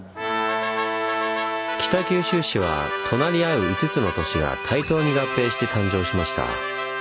北九州市は隣り合う５つの都市が対等に合併して誕生しました。